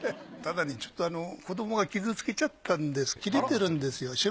ただねちょっと子どもが傷つけちゃったんです切れてるんですよ